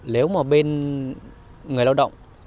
nếu mà bên người lao động